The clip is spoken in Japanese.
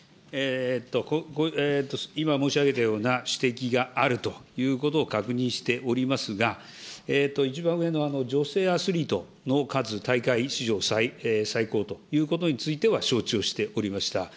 今申し上げたような指摘があるということを確認しておりますが、一番上の女性アスリートの数、大会史上最高ということについては承知をしておりました。